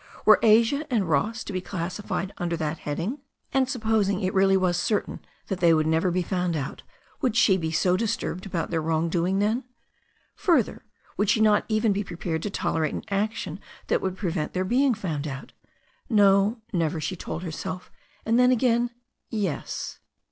Were Asia and Ross to be classified under that heading? And sup posing it really was certain that they would never be found S'HE STORY OF A NEW ZEALAND RIVER 351 out, would she be so disturbed about their wrong doing then? Further, would she not even be prepared to tolerate an action that would prevent their being found out? No, never, she told herself, and then again, yes.